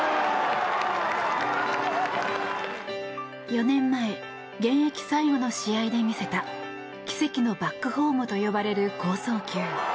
４年前現役最後の試合で見せた奇跡のバックホームと呼ばれる好送球。